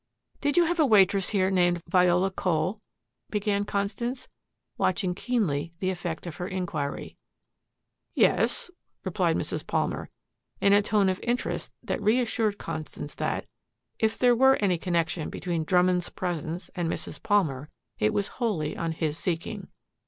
"Did you have a waitress here named Viola Cole?" began Constance, watching keenly the effect of her inquiry. "Yes," replied Mrs. Palmer in a tone of interest that reassured Constance that, if there were any connection between Drummond's presence and Mrs. Palmer, it was wholly on his seeking.